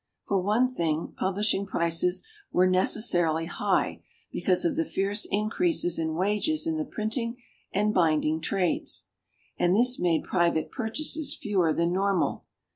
For one thing, publishing prices were necessarily high, because of the fierce increases in wages in the printing and binding trades ; and this made private purchases fewer than normal.